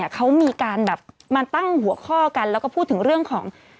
เขามีการแบบมาตั้งหัวข้อกันแล้วก็พูดถึงเรื่องของ